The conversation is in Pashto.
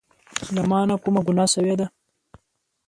له مانه کومه ګناه شوي ده